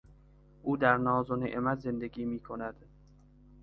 او در ناز و نعمت زندگی میکند.